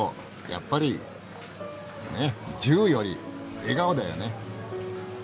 やっぱりねえ銃より笑顔だよね。